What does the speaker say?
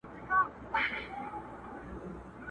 په هر قتل هر آفت کي به دى ياد وو؛